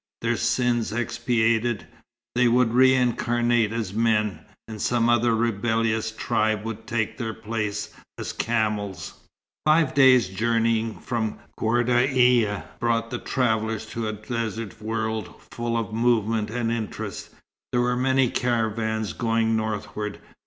Their sins expiated, they would reincarnate as men; and some other rebellious tribe would take their place as camels. Five days' journeying from Ghardaia brought the travellers to a desert world full of movement and interest. There were many caravans going northward.